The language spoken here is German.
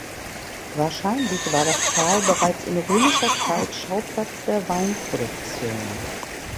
Wahrscheinlich war das Tal bereits in römischer Zeit Schauplatz der Weinproduktion.